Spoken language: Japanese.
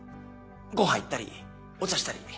ごはん行ったりお茶したり。